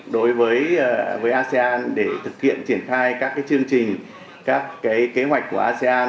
đối với asean để thực hiện triển khai các chương trình các kế hoạch của asean